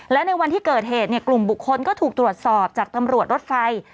และในวันที่เกิดเหตุกลุ่มบุคคลก็ถูกตรวจสอบจากตำรวจรถไฟ